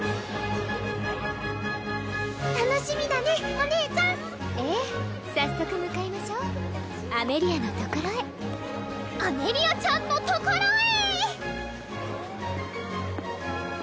お姉ちゃんええ早速向かいましょうアメリアのところへアメリアちゃんのところへ！